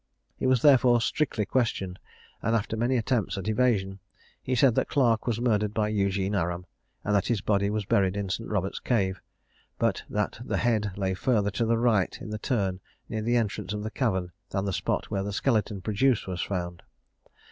He was therefore strictly questioned; and after many attempts at evasion, he said that Clarke was murdered by Eugene Aram, and that his body was buried in St. Robert's Cave, but that the head lay further to the right in the turn near the entrance of the cavern than the spot where the skeleton produced was found.